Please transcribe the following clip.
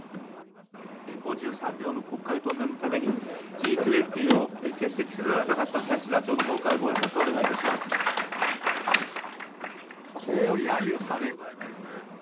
５３秒の国会答弁のために、Ｇ２０を欠席せざるをえなかった林座長のほうからごあいさつをおこうやゆされ。